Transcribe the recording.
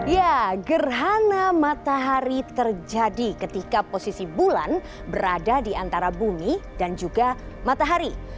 ya gerhana matahari terjadi ketika posisi bulan berada di antara bumi dan juga matahari